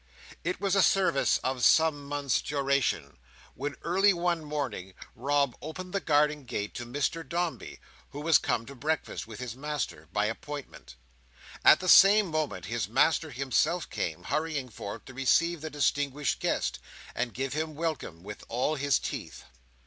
It was a service of some months' duration, when early one morning, Rob opened the garden gate to Mr Dombey, who was come to breakfast with his master, by appointment. At the same moment his master himself came, hurrying forth to receive the distinguished guest, and give him welcome with all his teeth.